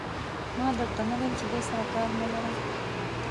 ما در ته نه ویل چې دې سره کار مه لره.